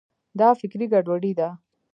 دا فکري ګډوډي ده.